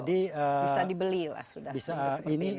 bisa dibeli lah sudah